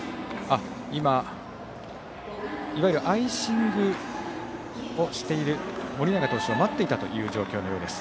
今、いわゆるアイシングをしている盛永投手を待っていたという状況のようです。